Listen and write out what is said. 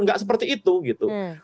nggak seperti itu gitu